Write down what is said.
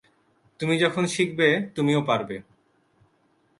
তুমি যখন শিখবে তুমিও পারবে।